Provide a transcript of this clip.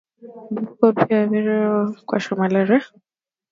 Bivuko bia mingi biko na kufwa kwasho malari